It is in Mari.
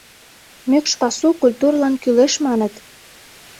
Мӱкш пасу культурылан кӱлеш, маныт.